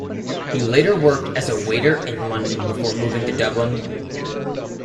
He later worked as a waiter in London before moving to Dublin.